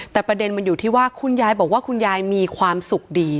แต่ประเด็นมันอยู่ที่ว่าคุณยายบอกว่าคุณยายมีความสุขดี